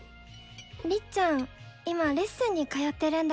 りっちゃん今レッスンに通ってるんだっけ？